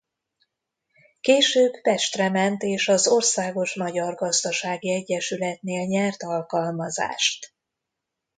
Később Pestre ment és az országos magyar gazdasági egyesületnél nyert alkalmazást.